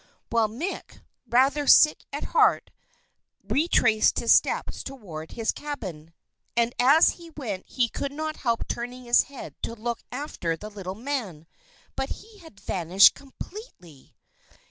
Well, Mick, rather sick at heart, retraced his steps toward his cabin, and as he went he could not help turning his head to look after the little man; but he had vanished completely.